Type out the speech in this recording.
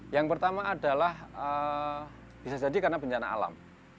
yang pertama adalah bisa jadi karena bencana alam